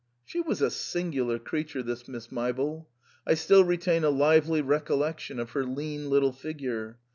She was a singular creature this Miss Meibel. I still retain a lively recollection of her lean little figure.